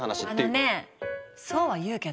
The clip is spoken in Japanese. あのねえそうは言うけど。